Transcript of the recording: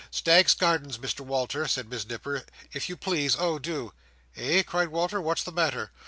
"Staggs's Gardens, Mr Walter!" said Miss Nipper; "if you please, oh do!" "Eh?" cried Walter; "what is the matter?"